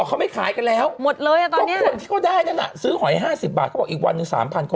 เขาไม่ขายกันแล้วต้องขนที่เขาได้นั่นซื้อหอยห้าสิบบาทเขาบอกอีกวันนึงสามพัน